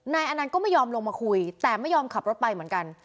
อนันต์ก็ไม่ยอมลงมาคุยแต่ไม่ยอมขับรถไปเหมือนกัน